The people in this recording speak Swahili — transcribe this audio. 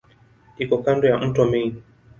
Iko kando ya mto Main.